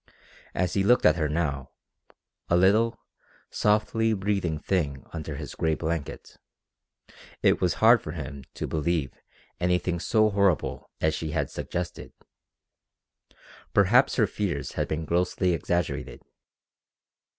As he looked at her now a little, softly breathing thing under his gray blanket it was hard for him to believe anything so horrible as she had suggested. Perhaps her fears had been grossly exaggerated.